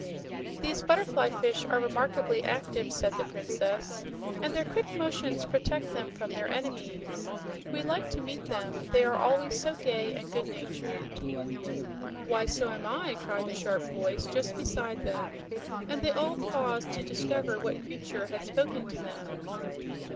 "These butterfly fish are remarkably active," said the Princess, "and their quick motions protect them from their enemies. We like to meet them; they are always so gay and good natured." "Why, so am I!" cried a sharp voice just beside them, and they all paused to discover what creature had spoken to them.